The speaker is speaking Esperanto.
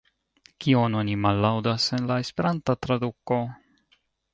Kion oni mallaŭdas en la Esperanta traduko?